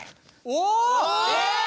お！